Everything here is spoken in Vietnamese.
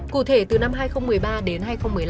cụ thể từ năm hai nghìn một mươi ba đến hai nghìn một mươi năm